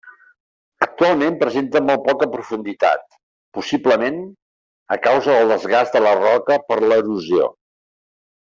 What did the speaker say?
Actualment presenta molt poca profunditat, possiblement a causa del desgast de la roca per l'erosió.